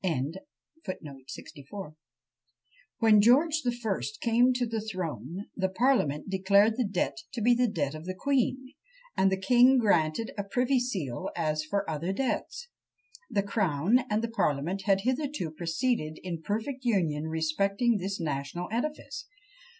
When George the First came to the throne, the parliament declared the debt to be the debt of the queen, and the king granted a privy seal as for other debts. The crown and the parliament had hitherto proceeded in perfect union respecting this national edifice.